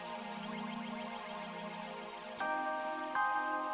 jangan lupa like subscribe dan share video ini